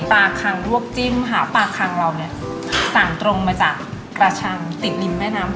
ปลาคังลวกจิ้มหาปลาคังเราเนี่ยสั่งตรงมาจากราชังติดริมแม่น้ำ